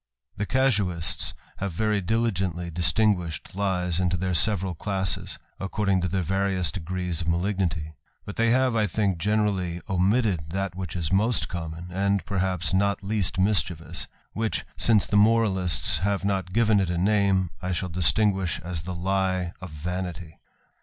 The casuists have very diligently distinguished lies into heir several classes, according to their various degrees of nalignity : but they have, I think, generally omitted that rhicb is most common, and, perhaps, not least mis hievous ; which, since the moralists have not given it a tam^ I shall distinguish as the lie of vanity.